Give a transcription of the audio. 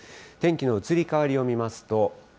天気の移り変わりを見ますと。